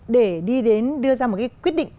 để đi đến đưa ra một cái quyết định